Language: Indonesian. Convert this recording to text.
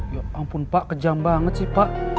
ya ampun pak kejam banget sih pak